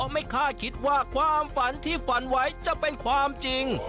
ไม่คาดคิดว่าความฝันที่ฝันไว้จะเป็นความจริง